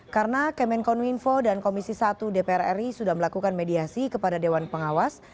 karena kemenkonuinfo dan komisi satu dpr ri sudah melakukan mediasi kepada dewan pengawas